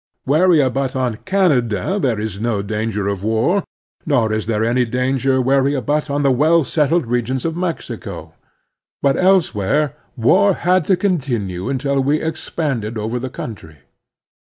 Where we abut on Canada there is no danger of war, nor is there any danger where we abut on the well settled regions of Mexico. But elsewhere war had to continue until we expanded over the country.